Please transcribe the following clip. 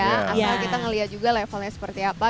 asal kita melihat juga levelnya seperti apa